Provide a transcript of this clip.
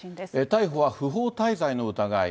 逮捕は不法滞在の疑い。